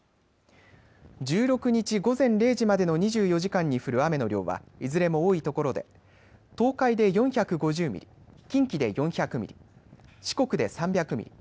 １６日午前０時までの２４時間に降る雨の量はいずれも多いところで東海で４５０ミリ近畿で４００ミリ四国で３００ミリ